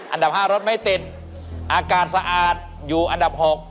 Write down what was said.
อันดับ๕รถไม่ติดอากาศสะอาดอยู่อันดับ๖